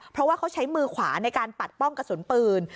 เพราะว่าเขาใช้มือขวาในการปัดป้องกระสุนปืน